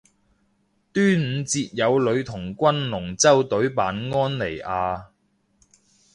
端午節有女童軍龍舟隊扮安妮亞